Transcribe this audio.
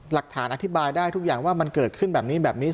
หลักฐานอธิบายได้ทุกอย่างว่ามันเกิดขึ้นแบบนี้แบบนี้